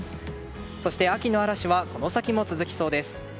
そして、秋の嵐はこの先も続きそうです。